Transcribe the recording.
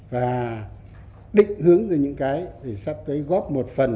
và định hướng ra những cái để sắp tới góp một phần